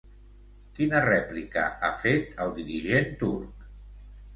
Quina rèplica ha fet el dirigent turc?